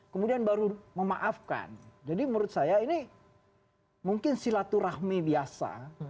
kemudian baru memaafkan jadi menurut saya ini mungkin silaturahmi biasa